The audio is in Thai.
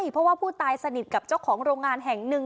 เพราะว่าผู้ตายสนิทกับเจ้าของโรงงานแห่งหนึ่ง